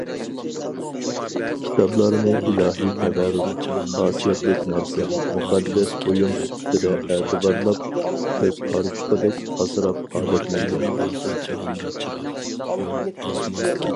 كىتابلارنى ئىلاھىي تەۋەررۈك، خاسىيەتلىك نەرسە، مۇقەددەس بۇيۇم سۈپىتىدە ئەتىۋارلاپ، كۆز قارىچۇقىدەك ئاسراپ ئادەتلەنگەن.